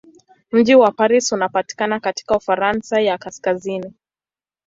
Mji wa Paris unapatikana katika Ufaransa ya kaskazini.